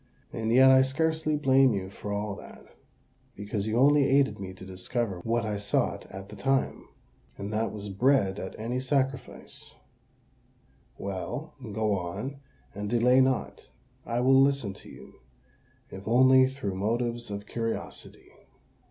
"And yet I scarcely blame you for all that, because you only aided me to discover what I sought at the time—and that was bread at any sacrifice. Well—go on, and delay not: I will listen to you, if only through motives of curiosity."